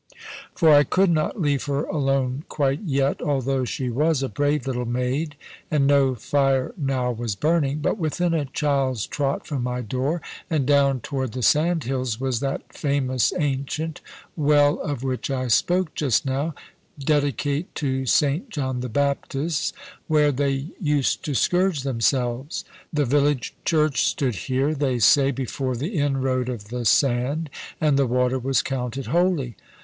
For I could not leave her alone quite yet, although she was a brave little maid, and no fire now was burning. But within a child's trot from my door, and down toward the sandhills, was that famous ancient well of which I spoke just now, dedicate to St John the Baptist, where they used to scourge themselves. The village church stood here, they say, before the inroad of the sand; and the water was counted holy.